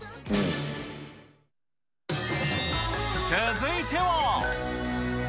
続いては。